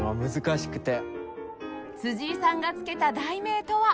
辻井さんがつけた題名とは？